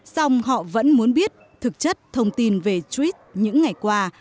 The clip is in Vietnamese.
song họ vẫn muốn biết thực chất thông tin về swis những ngày qua